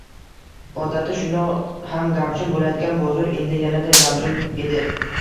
Odatda shundoq ham gavjum bo‘ladigan bozor endi yanada gavjum edi.